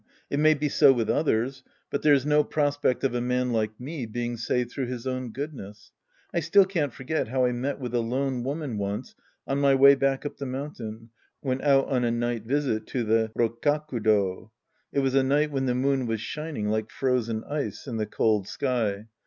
It may be so with others. But there's no prospect of a man like me being saved through his own goodness. I still can't forget how I met with a lone woman once on my way back up the mountain when out ,on a night visit to the Rokka kudo. It was a night when the moon was sHning like frozen ice ia the cold sky.